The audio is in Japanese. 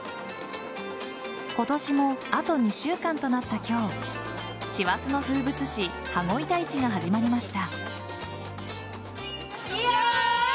今年もあと２週間となった今日師走の風物詩羽子板市が始まりました。